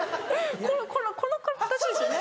このこの形ですよね？